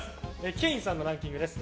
ケインさんのランキングです。